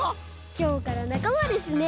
きょうからなかまですね。